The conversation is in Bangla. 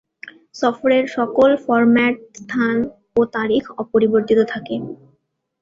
সফরের সকল ফরম্যাট, স্থান ও তারিখ অপরিবর্তিত থাকে।